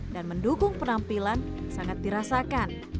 dan mendukung penampilan sangat dirasakan